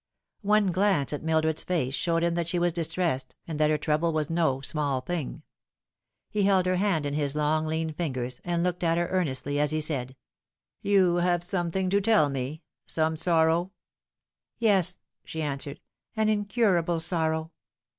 One glance at Mildred's face showed him that she was dis tressed, and that her trouble was no small thing. He held her hand in his long lean fingers, and looked at her earnestly as he said :" You have something to tell me some sorrow ?"" Yes," she answered, " an incurable sorrow."